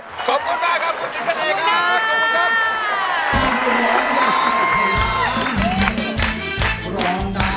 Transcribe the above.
ขอบคุณมากครับคุณจิตชัดเอกนะ